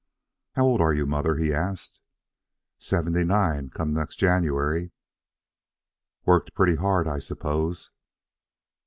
"How old are you, mother?" he asked. "Seventy nine come next January." "Worked pretty hard, I suppose?"